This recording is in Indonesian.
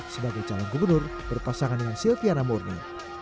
sebagai calon gubernur berpasangan dengan silviana murni